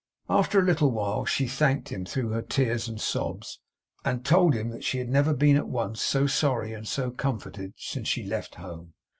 After a little while she thanked him, through her tears and sobs, and told him she had never been at once so sorry and so comforted, since she left home.